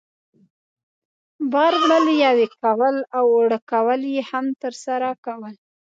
بار وړل، یوې کول او اوړه کول یې هم ترسره کول.